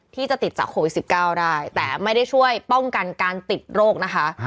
ที่จะติดจากโควิด๑๙ได้แต่ไม่ได้ช่วยป้องกันการติดโรคนะคะ